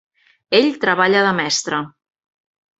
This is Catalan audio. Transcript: Ell treballa de mestre.